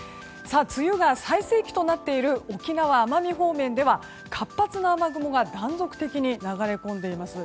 梅雨が最盛期となっている沖縄、奄美方面では活発な雨雲が断続的に流れ込んでいます。